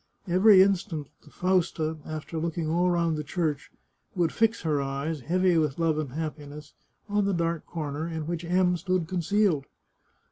Every instant the Fausta, after looking all round the church, would fix her eyes, heavy with love and happiness, on the dark corner in which M^ stood concealed.